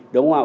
đúng không ạ